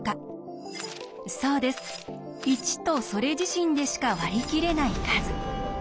そうです１とそれ自身でしか割り切れない数。